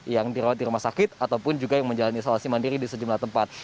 yang dirawat di rumah sakit ataupun juga yang menjalani isolasi mandiri di sejumlah tempat